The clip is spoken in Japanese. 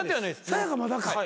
さや香まだか。